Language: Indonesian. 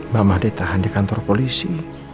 mama ditahan di kantor polisi